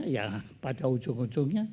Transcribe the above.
ya pada ujung ujungnya